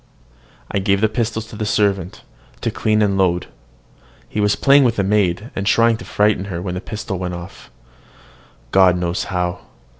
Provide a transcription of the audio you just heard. I gave the pistols to the servant, to clean and load. He was playing with the maid, and trying to frighten her, when the pistol went off God knows how!